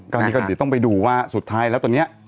ก้อนี้ก็ต้องไปดูว่าสุดท้ายและตัวนี้